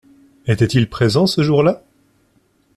Était-il présent ce jour-là?